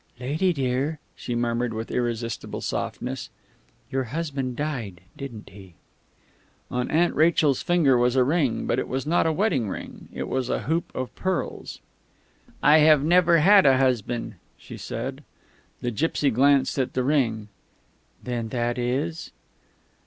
"Lady dear," she murmured with irresistible softness, "your husband died, didn't he?" On Aunt Rachel's finger was a ring, but it was not a wedding ring. It was a hoop of pearls. "I have never had a husband," she said. The gipsy glanced at the ring. "Then that is